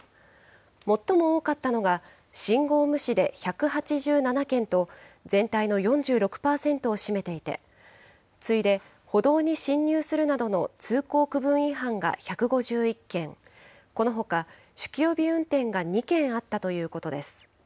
最も多かったのが、信号無視で１８７件と、全体の４６％を占めていて、次いで歩道に進入するなどの通行区分違反が１５１件、このほか酒気帯び運転が２件あったということです。